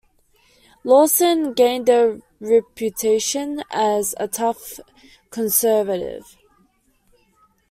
Lawson gained a reputation as a tough conservative.